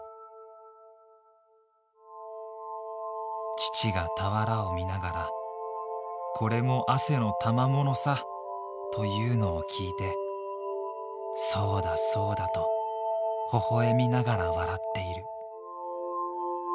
「父が俵を見ながら『これも汗の玉物さ！』とゆうのを聞いて『そうだそうだ』とほほゑみながら笑って居る」。